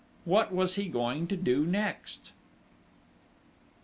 What was he going to do next?